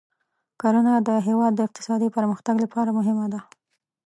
کرنه د هېواد د اقتصادي پرمختګ لپاره مهمه ده.